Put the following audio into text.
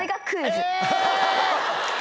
え！